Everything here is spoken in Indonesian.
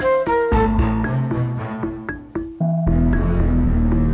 kamu mau kemana